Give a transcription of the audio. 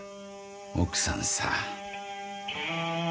奥さんさ。